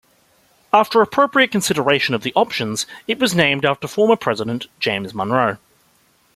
After appropriate consideration of the options, it was named after former President James Monroe.